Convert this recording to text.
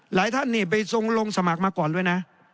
หลายท่านนี่ไปทรงลงสมัครมาก่อนด้วยนะ